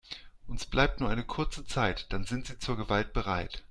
Uns bleibt nur eine kurze Zeit, dann sind sie zur Gewalt bereit.